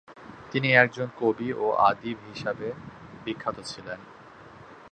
তিনি একজন কবি ও আদিব হিসেবে বিখ্যাত ছিলেন।